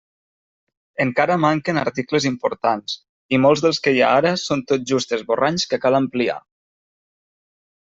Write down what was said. Encara manquen articles importants, i molts dels que hi ha ara són tot just esborranys que cal ampliar.